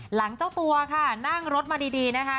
เจ้าตัวค่ะนั่งรถมาดีนะคะ